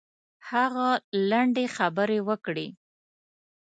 هغه لنډې خبرې وکړې.